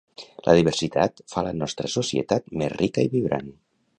La diversitat fa la nostra societat més rica i vibrant.